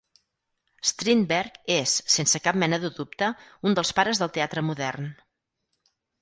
Strindberg és, sense cap mena de dubte, un dels pares del teatre modern.